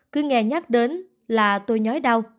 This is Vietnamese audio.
cứ nghe nhắc đến là tôi nhói đau